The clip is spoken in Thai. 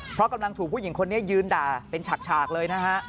เพราะกำลังถูกผู้หญิงคนนี้ยืนด่าเป็นฉากเลยนะฮะ